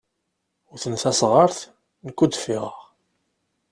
Wwten tasɣart, nekk ur d-ffiɣeɣ.